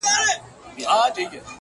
• د درد د كړاوونو زنده گۍ كي يو غمى دی ـ